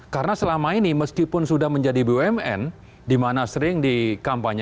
karena selama ini meskipun sudah menjadi bumn dimana sering di kampanye